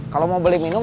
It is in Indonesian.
kalau mau beli minum